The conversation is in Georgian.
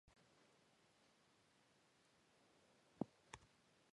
იგი დაესწრო კაროლინ ბონაპარტისა და იოაჰიმ მიურატის ქორწინებას.